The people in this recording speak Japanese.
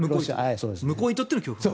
向こうにとっての恐怖と。